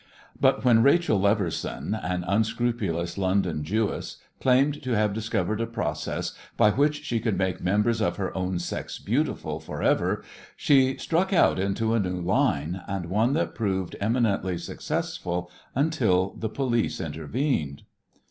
But when Rachel Leverson, an unscrupulous London Jewess, claimed to have discovered a process by which she could make members of her own sex beautiful for ever she struck out into a new line, and one that proved eminently successful until the police intervened.